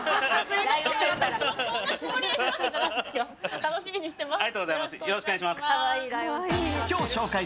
楽しみにしてます。